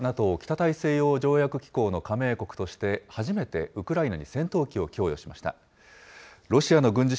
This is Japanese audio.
ウクライナの隣国スロバキアは、ＮＡＴＯ・北大西洋条約機構の加盟国として、初めてウクライナに戦闘機を供与しました。